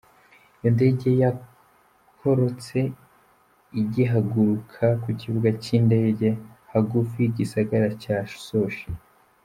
Iyo ndege yakorotse igihaguruka ku kibuga c’indege hagufi y’igisagara ca Sochi.